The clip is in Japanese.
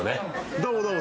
どうもどうも。